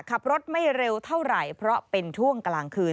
ขับรถไม่เร็วเท่าไหร่เพราะเป็นช่วงกลางคืน